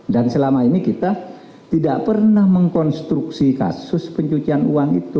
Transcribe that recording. dan selama ini kita tidak pernah mengkonstruksi kasus pencucian uang itu